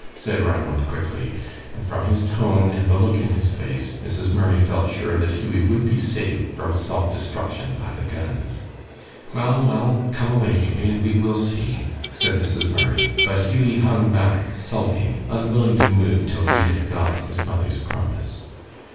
said Ranald, quickly, and from his tone and the look in his face, Mrs. Murray felt sure that Hughie would be safe from self destruction by the guns. "Well, well, come away, Hughie, and we will see," said Mrs. Murray; but Hughie hung back sulking, unwilling to move till he had got his mother's promise.